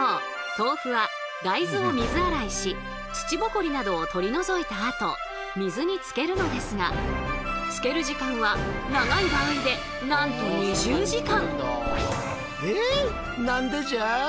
豆腐は大豆を水洗いし土ぼこりなどを取り除いたあと水につけるのですがつける時間は長い場合でなんと２０時間！